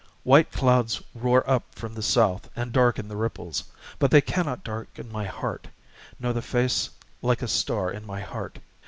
White clouds roar up from the south And darken the ripples; but they cannot darken my heart, Nor the face like a star in my heart!...